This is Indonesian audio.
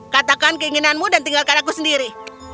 katakan keinginanmu dan tinggalkan aku sendiri